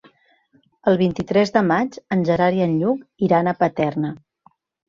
El vint-i-tres de maig en Gerard i en Lluc iran a Paterna.